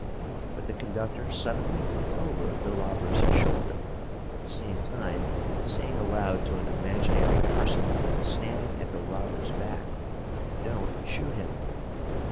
But the conductor suddenly looked over the robber's shoulder, at the same time saying aloud to an imaginary person standing at the robber's back: "Don't shoot him."